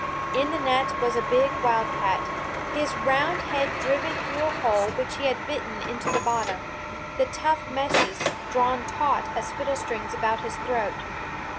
In the net was a big wildcat, his round head driven through a hole which he had bitten in the bottom, the tough meshes drawn taut as fiddle strings about his throat.